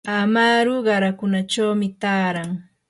amaru qarakunachawmi taaran.